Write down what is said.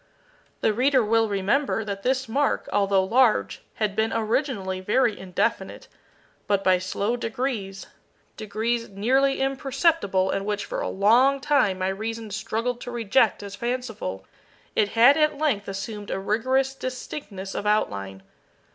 The reader will remember that this mark, although large, had been originally very indefinite, but by slow degrees degrees nearly imperceptible, and which for a long time my reason struggled to reject as fanciful it had at length assumed a rigorous distinctness of outline.